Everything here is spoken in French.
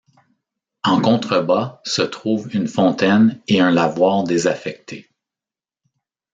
En contrebas se trouvent une fontaine et un lavoir désaffecté.